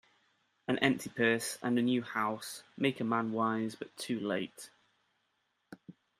An empty purse, and a new house, make a man wise, but too late.